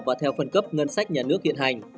và theo phân cấp ngân sách nhà nước hiện hành